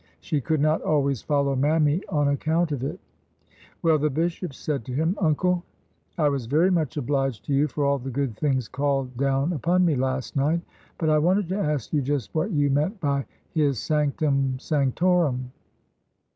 She could not always follow Mammy on account of it. Well, the bishop said to him :' Uncle, I was v%ry much obliged to you for all the good things called down upon me last night, but I wanted to ask you just what you meant by His '' sanctum sanctorum.